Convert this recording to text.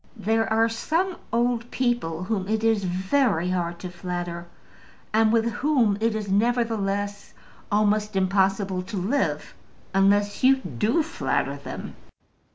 There are some old people whom it is very hard to flatter, and with whom it is, nevertheless, almost impossible to live unless you do flatter them.